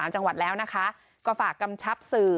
จังหวัดแล้วนะคะก็ฝากกำชับสื่อ